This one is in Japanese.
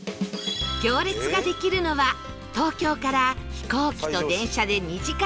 行列ができるのは東京から飛行機と電車で２時間４０分